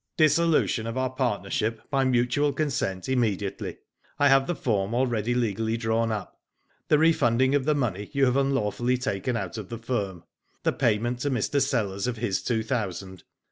*' Dissolution of our partnership by mutual consent immediately. I have the form already legally drawn up. The refunding of the money you have unlawfully taken out of the firm. The payment to Mr. Sellers of his two thousand.